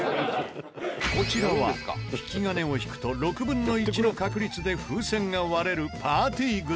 こちらは引き金を引くと６分の１の確率で風船が割れるパーティーグッズ。